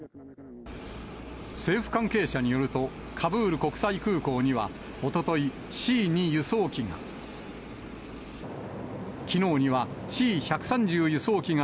政府関係者によると、カブール国際空港にはおととい、Ｃー２輸送機が。